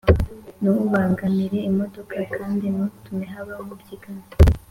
Ntubangamire imodoka kandi ntutume haba umubyigano